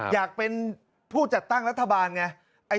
อยากเป็นผู้จัดตั้งรัฐบาลไง